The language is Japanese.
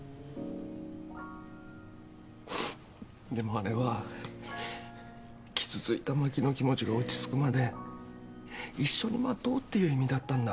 ううっでもあれは傷ついた真紀の気持ちが落ち着くまで一緒に待とうっていう意味だったんだ。